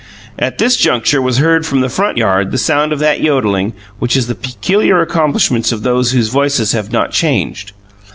At this juncture was heard from the front yard the sound of that yodelling which is the peculiar accomplishment of those whose voices have not "changed."